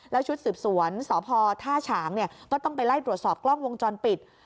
แล้วชุดสืบสวนสพท่าฉางก็ต้องไปไล่ตรวจสอบกล้องวงจรปิด